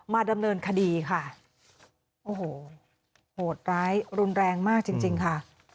ดำเนินคดีค่ะโอ้โหโหดร้ายรุนแรงมากจริงจริงค่ะ